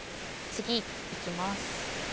次いきます。